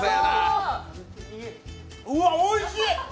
うわ、おいしい！